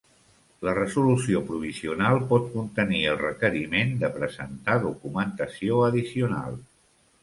La resolució provisional pot contenir el requeriment de presentar documentació addicional.